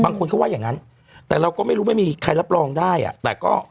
บางคนเขาว่าอย่างงั้นแต่เราก็ไม่รู้ไม่มีใครรับรองได้อ่ะแต่ก็